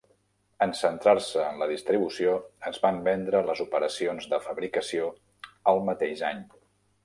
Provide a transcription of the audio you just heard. En centrar-se en la distribució, es van vendre les operacions de fabricació el mateix any.